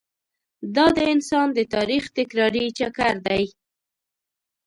دا د انسان د تاریخ تکراري چکر دی.